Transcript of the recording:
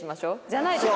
じゃないと。